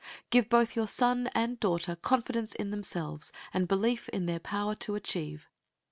Give both your son and daughter confidence in themselves and belief in their power to achieve.